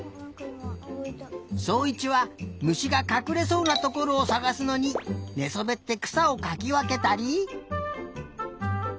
そういちはむしがかくれそうなところをさがすのにねそべってくさをかきわけたり。